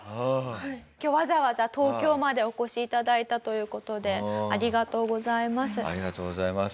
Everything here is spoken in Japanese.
今日わざわざ東京までお越し頂いたという事でありがとうございます。